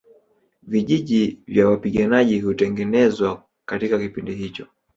Vijiji vya wapiganaji hutengenezwa katika kipindi hicho